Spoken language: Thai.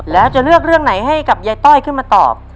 แล้วจะเลือกเรื่องไหนให้กับยายต้อยขึ้นมาตอบ